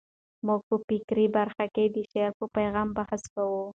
موږ په فکري برخه کې د شاعر په پیغام بحث کوو.